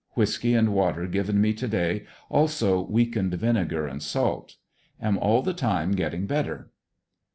Whiskey and water given me to day, also weakened vinegar and salt. Am all the time getting better.